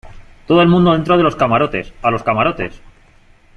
¡ todo el mundo dentro de los camarotes !¡ a los camarotes !